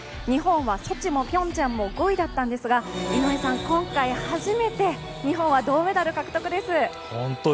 日本はソチもピョンチャンも５位だったんですが、今回、初めて日本は銅メダル獲得です。